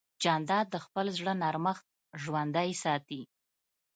جانداد د خپل زړه نرمښت ژوندی ساتي.